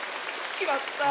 きまったね。